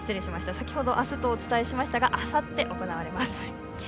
先ほど、あすとお伝えしましたがあさって、行われます。